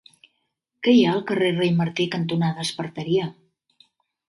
Què hi ha al carrer Rei Martí cantonada Esparteria?